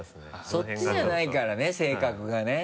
そっちじゃないからね性格がね。